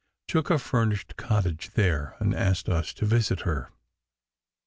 took a furnished cottage there and asked us to visit her.